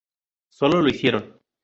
Solo lo hicieron.